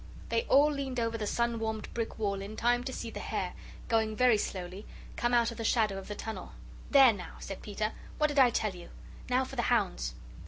They all leaned over the sun warmed brick wall in time to see the hare, going very slowly, come out from the shadow of the tunnel. "There, now," said Peter, "what did I tell you? Now for the hounds!"